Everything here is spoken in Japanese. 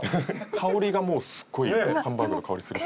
香りがもうすごいハンバーグの香りすると。